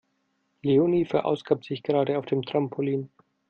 Leonie verausgabt sich gerade auf dem Trampolin.